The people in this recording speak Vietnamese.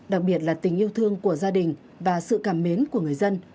đặc biệt là tình yêu thương của gia đình và sự cảm mến của người dân